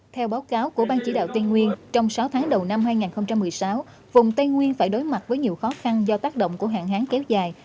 theo báo cáo của bang chỉ đạo tây nguyên trong sáu tháng đầu năm hai nghìn một mươi sáu vùng tây nguyên phải đối mặt với nhiều khó khăn do tác động của hạn hán kéo dài